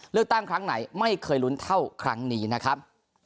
เลือกตั้งครั้งไหนไม่เคยลุ้นเท่าครั้งนี้นะครับ